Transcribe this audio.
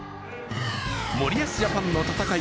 森保ジャパンの戦い